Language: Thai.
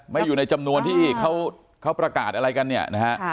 อยู่ในจำนวนที่เขาประกาศอะไรกันเนี่ยนะฮะ